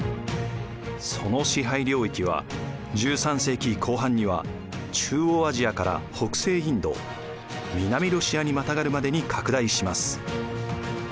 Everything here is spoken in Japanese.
その支配領域は１３世紀後半には中央アジアから北西インド南ロシアにまたがるまでに拡大します。